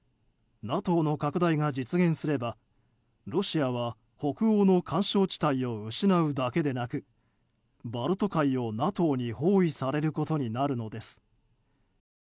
ＮＡＴＯの拡大が実現すればロシアは北欧の緩衝地帯を失うだけでなくバルト海をＮＡＴＯに包囲されることになるのです。